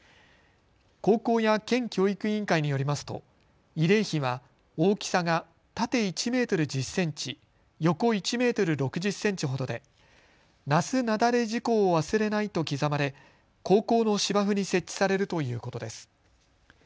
高校や県教育委員会によりますと慰霊碑は大きさが縦１メートル１０センチ、横１メートル６０センチほどで那須雪崩事故を忘れないと刻まれ高校の芝生に設置されるということです。